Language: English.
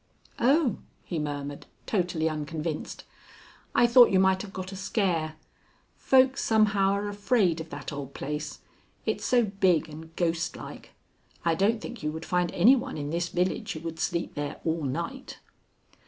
"Oh," he murmured, totally unconvinced, "I thought you might have got a scare. Folks somehow are afraid of that old place, it's so big and ghost like. I don't think you would find any one in this village who would sleep there all night."